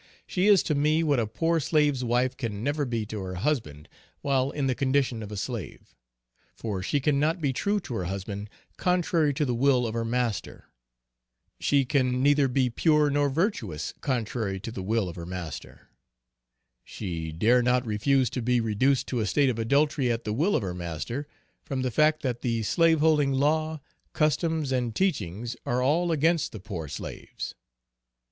She is to me what a poor slave's wife can never be to her husband while in the condition of a slave; for she can not be true to her husband contrary to the will of her master. She can neither be pure nor virtuous, contrary to the will of her master. She dare not refuse to be reduced to a state of adultery at the will of her master; from the fact that the slaveholding law, customs and teachings are all against the poor slaves.